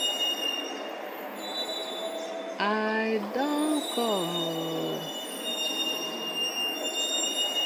I don kom oo!!